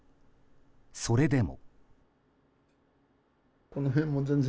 それでも。